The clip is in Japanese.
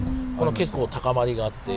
結構高まりがあって。